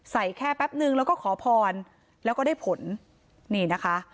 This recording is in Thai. แค่แป๊บนึงแล้วก็ขอพรแล้วก็ได้ผลนี่นะคะ